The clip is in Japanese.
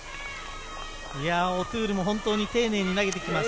オトゥールも本当に丁寧に投げてきます。